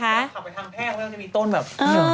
ขับไปทำแพร่เขาก็จะมีต้นแบบ